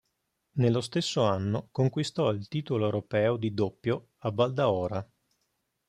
Nello stesso anno conquistò il titolo europeo di doppio a Valdaora.